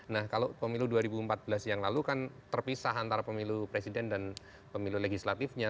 nah kalau pemilu dua ribu empat belas yang lalu kan terpisah antara pemilu presiden dan pemilu legislatifnya